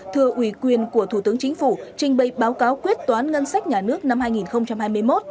thừa ủy quyền của thủ tướng chính phủ trình bày báo cáo quyết toán ngân sách nhà nước năm hai nghìn hai mươi một